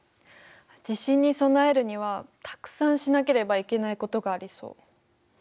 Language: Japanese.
地震に備えるにはたくさんしなければいけないことがありそう。